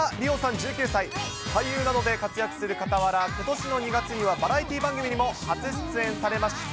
１９歳、俳優などで活躍するかたわらことしの２月には、バラエティー番組にも初出演されました。